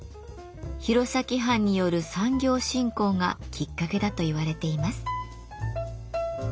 弘前藩による産業振興がきっかけだといわれています。